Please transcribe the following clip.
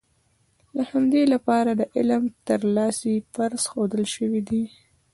د همدې لپاره د علم ترلاسی فرض ښودل شوی دی.